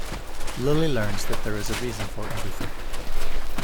Lily learns that there is a reason for everything.